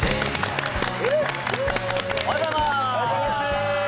おはようございます。